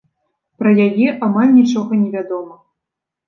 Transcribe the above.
Пра яе амаль нічога невядома.